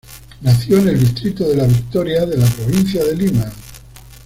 Nació en el distrito de La Victoria de la Provincia de Lima.